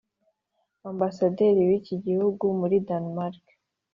ambasaderi w'iki gihugu muri Denmark